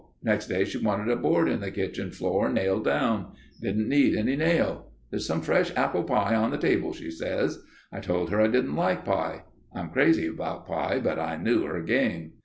Next day she wanted a board in the kitchen floor nailed down. Didn't need any nail. 'There's some fresh apple pie on the table,' she says. I told her I didn't like pie. I'm crazy about pie but I knew her game.